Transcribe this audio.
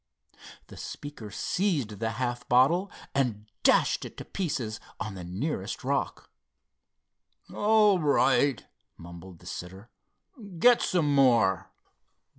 The speaker seized the half filled bottle and dashed it to pieces on the nearest rock. "All right," mumbled the sitter. "Get some more."